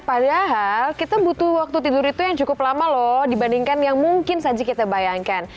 padahal kita butuh waktu tidur itu yang cukup lama loh dibandingkan yang mungkin saja kita bayangkan